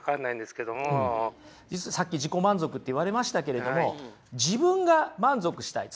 実はさっき「自己満足」って言われましたけれども自分が満足したい。